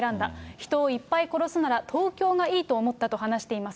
人をいっぱい殺すなら東京がいいと思ったと話しています。